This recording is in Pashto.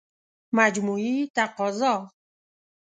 مجموعي تقاضا